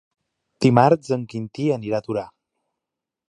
Dimarts en Quintí anirà a Torà.